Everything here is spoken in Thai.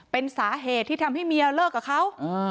เป็นสาเหตุที่ทำให้เมียเลิกกับเขา